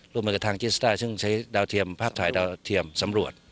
ร่วมมือกับทางจิสดาซึ่งใช้พาตถ่ายดาวเทียมสำรวจ